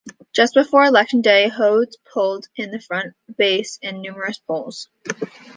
Just before election day, Hodes pulled in front of Bass in numerous polls.